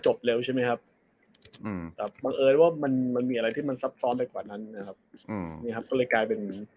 จบเร็วใช่ไหมครับมันมีอะไรที่มันซับซ้อนด้วยกว่านั้นนะครับ